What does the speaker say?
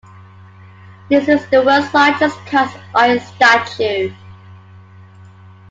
This is the world's largest cast-iron statue.